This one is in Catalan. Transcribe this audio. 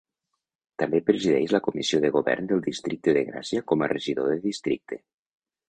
També presideix la Comissió de Govern del districte de Gràcia com a Regidor de Districte.